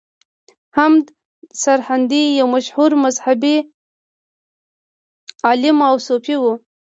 احمد سرهندي یو مشهور مذهبي عالم او صوفي و.